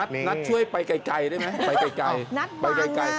นัทช่วยไปไกลได้ไหมเดี๋ยวไปไกล